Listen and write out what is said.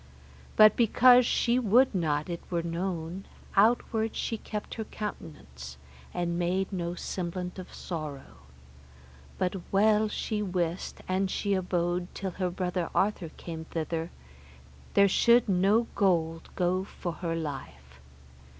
But because she would not it were known, outward she kept her countenance, and made no semblant of sorrow. But well she wist an she abode till her brother Arthur came thither, there should no gold go for her life.